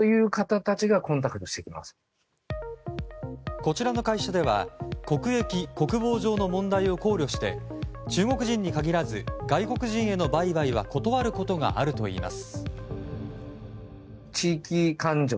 こちらの会社では国益、国防上の問題を考慮して中国人に限らず外国人への売買は断ることがあるといいます。